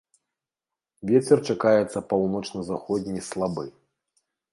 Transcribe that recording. Вецер чакаецца паўночна-заходні слабы.